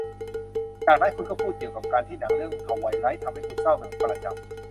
จากนั้นคุณก็พูดเกี่ยวกับการที่หนังเรื่องทไวไลท์ทำให้คุณเศร้าเป็นประจำ